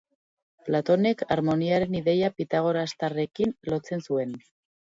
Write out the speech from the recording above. Platonek, harmoniaren ideia pitagorastarrarekin lotzen zuen.